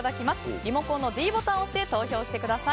リモコンのｄボタンを押して投票してください。